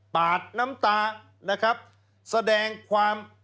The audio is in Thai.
ปากน้ำตาแสดงความ